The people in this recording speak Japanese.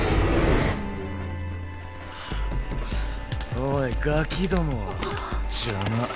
おいガキども邪魔。